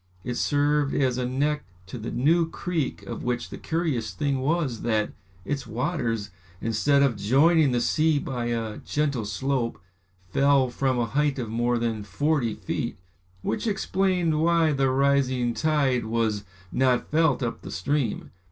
It served as a neck to the new creek of which the curious thing was that its waters, instead of joining the sea by a gentle slope, fell from a height of more than forty feet, which explained why the rising tide was not felt up the stream.